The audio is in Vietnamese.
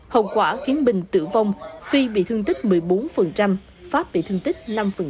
hậu quả khiến bình tử vong phi bị thương tích một mươi bốn pháp bị thương tích năm